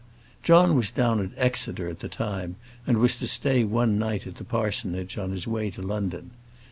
John was down at Exeter at the time, and was to stay one night at the parsonage on his way to London.